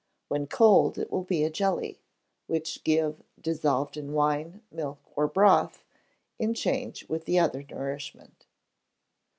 When cold, it will be a jelly, which give, dissolved in wine, milk, or broth, in change with the other nourishment.